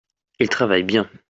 il travaille bien.